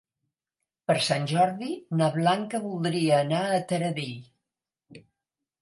Per Sant Jordi na Blanca voldria anar a Taradell.